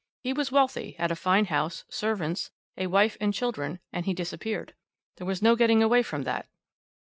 He was wealthy, had a fine house, servants, a wife and children, and he disappeared. There was no getting away from that.